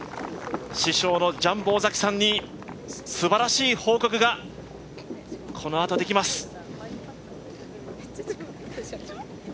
師匠のジャンボ尾崎さんに素晴らしい報告がこのあと、できます！